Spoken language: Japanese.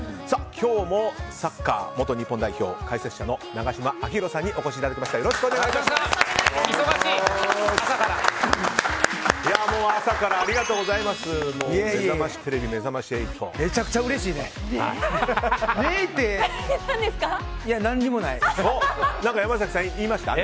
今日もサッカー元日本代表解説者の永島昭浩さんにお越しいただきました。